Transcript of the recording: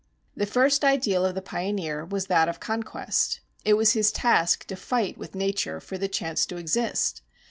The first ideal of the pioneer was that of conquest. It was his task to fight with nature for the chance to exist.